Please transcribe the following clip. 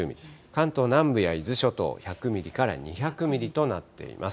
関東南部や伊豆諸島、１００ミリから２００ミリとなっています。